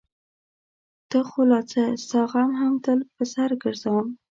ته خو لا څه؛ ستا غم هم تل په سر ګرځوم.